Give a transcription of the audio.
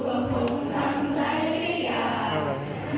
ให้เจอรู้ในใจตลอดก่อน